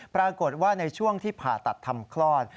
ปรากฏว่าในช่วงที่ผ่าตัดทำคลอด